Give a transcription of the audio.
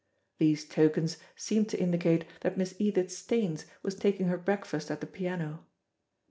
These tokens seemed to indicate that Miss Edith Staines was taking her breakfast at the piano.